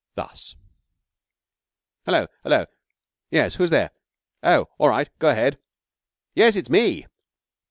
Thus: 'Hello! Hello! Yes. Who's there? Oh, all right. Go ahead. Yes, it's me!